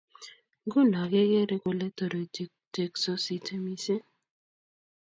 Nguno kekere kole toriti teksosite mising